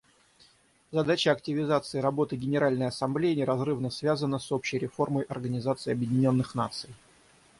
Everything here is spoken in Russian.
Задача активизации работы Генеральной Ассамблеи неразрывно связана с общей реформой Организации Объединенных Наций.